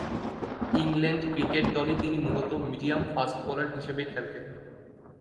England cricket দলে তিনি মূলতঃ মিডিয়াম-ফাস্ট বোলার হিসেবে খেলতেন।